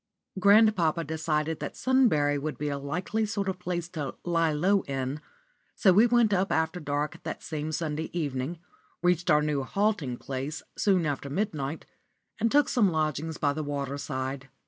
*_ Grandpapa decided that Sunbury would be a likely sort of place to "lie low" in, so we went up after dark that same Sunday evening, reached our new halting place soon after midnight, and took some lodgings by the water side.